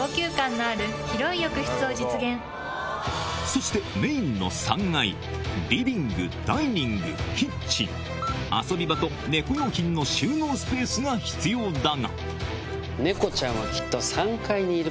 そしてメインの３階リビングダイニングキッチン遊び場と猫用品の収納スペースが必要だが猫ちゃんはきっと。